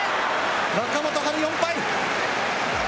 若元春４敗。